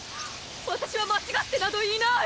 わたしは間違ってなどいない！